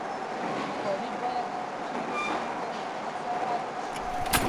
بخاري باید د کارولو پر مهال ونه غورځول شي.